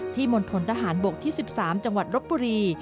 มณฑนทหารบกที่๑๓จังหวัดรบบุรี